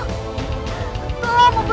aku menyesal telah melahirkanmu